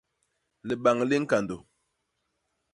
Libañ li ñkandô.